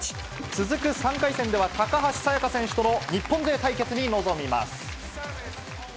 続く３回戦では、高橋沙也加選手との日本勢対決に臨みます。